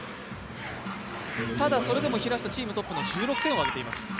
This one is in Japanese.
ただ、それでも平下チームトップの１６点を挙げています。